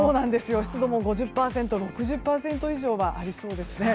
湿度も５０％６０％以上はありそうですね。